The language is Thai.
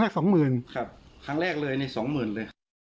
ครับครั้งแรกเลย๒๐๐๐๐บาท